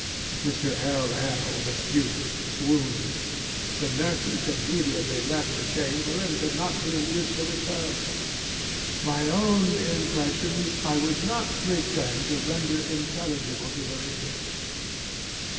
Mr. LŌĆöl (the student) swooned. The nurses immediately left the chamber, and could not be induced to return. My own impressions I would not pretend to render intelligible to the reader.